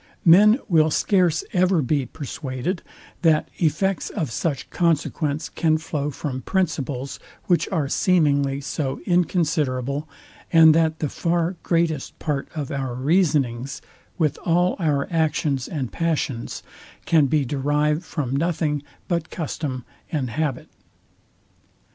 Men will scarce ever be persuaded, that effects of such consequence can flow from principles, which are seemingly so inconsiderable, and that the far greatest part of our reasonings with all our actions and passions, can be derived from nothing but custom and habit.